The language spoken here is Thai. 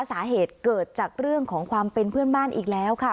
สาเหตุเกิดจากเรื่องของความเป็นเพื่อนบ้านอีกแล้วค่ะ